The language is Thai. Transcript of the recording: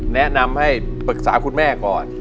แนะนำให้ปรึกษาคุณแม่ก่อน